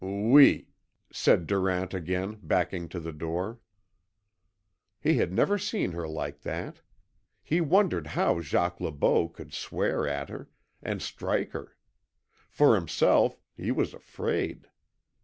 "OUI," said Durant again, backing to the door. He had never seen her like that. He wondered how Jacques Le Beau could swear at her, and strike her. For himself, he was afraid.